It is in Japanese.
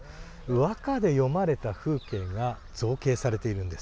和歌で詠まれた風景が造形されているんです。